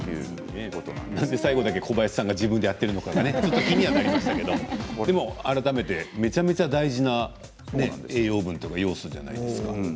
なんで最後だけ小林さんが自分でやってるのか気にはなりましたけど、改めてめちゃめちゃ大事な栄養分というか要素じゃないですか。